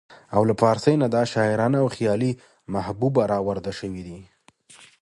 او له پارسۍ نه دا شاعرانه او خيالي محبوبه راوارده شوې ده